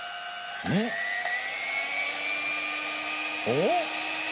おっ！